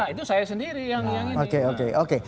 itu saya sendiri yang ini